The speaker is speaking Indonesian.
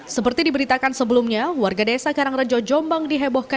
seperti diberitakan sebelumnya warga desa karangrejo jombang dihebohkan